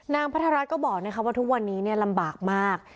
นางพัฒนราชก็บอกนะครับว่าทุกวันนี้รำบากมาก